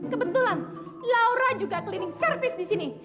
kebetulan laura juga klinik servis di sini